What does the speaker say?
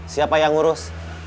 siapa yang ngurus